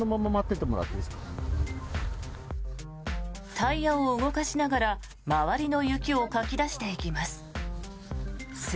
タイヤを動かしながら周りの雪をかき出していきます。